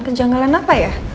kejanggalan apa ya